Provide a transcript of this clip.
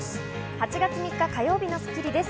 ８月３日、火曜日の『スッキリ』です。